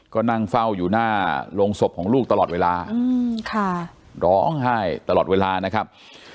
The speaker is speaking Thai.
ก็นั่งเฝ้าอยู่หน้าโรงศพของลูกตลอดเวลาร้องไห้ตลอดเวลานะครับ